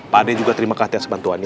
pade juga terima kasih atas bantuannya